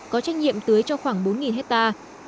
có trách nhiệm tưới cho khoảng bốn hectare